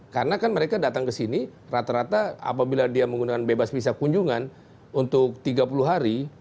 karena kan mereka datang ke sini rata rata apabila dia menggunakan bebas bisa kunjungan untuk tiga puluh hari